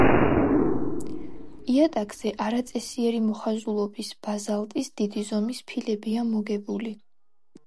იატაკზე არაწესიერი მოხაზულობის ბაზალტის დიდი ზომის ფილებია მოგებული.